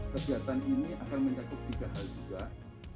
kegiatan ini akan mencakup tiga hal juga